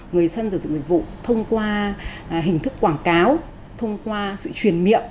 người dân sử dụng dịch vụ thông qua hình thức quảng cáo thông qua sự truyền miệng